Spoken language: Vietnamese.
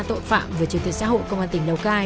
tội phạm về trường tượng xã hội công an tỉnh lào cai